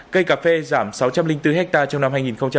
cây cà phê giảm sáu trăm linh bốn ha trong năm hai nghìn hai mươi hai